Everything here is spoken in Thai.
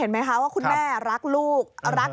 โยต้องกล้าภาษณ์อยากให้คุณผู้ชมได้ฟัง